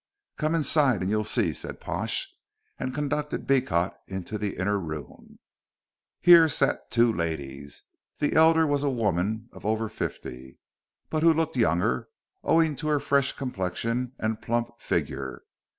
"Come inside and you'll see," said Pash, and conducted Beecot into the inner room. Here sat two ladies. The elder was a woman of over fifty, but who looked younger, owing to her fresh complexion and plump figure.